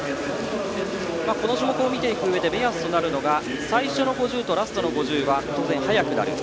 この種目を見ていくうえで目安となるのが最初の５０とラストの５０は速くなる。